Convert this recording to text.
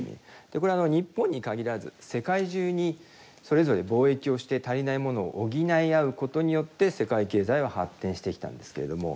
でこれ日本に限らず世界中にそれぞれ貿易をして足りないものを補い合うことによって世界経済は発展してきたんですけれども。